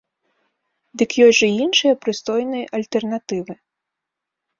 Дык ёсць жа і іншыя прыстойныя альтэрнатывы!